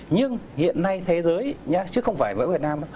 nhưng hiện nay thế giới chứ không phải với việt nam